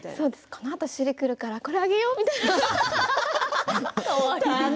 このあと趣里が来るからこれあげようみたいな。